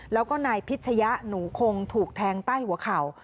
แล้วก็นายพิชยะหนูคงถูกแทงใต้หัวเข่า